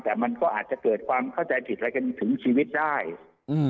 แต่มันก็อาจจะเกิดความเข้าใจผิดอะไรกันถึงชีวิตได้อืม